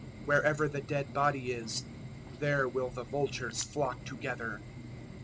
024:028 Wherever the dead body is, there will the vultures flock together.